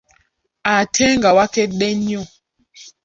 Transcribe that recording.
Ate nga wakedde nnyo?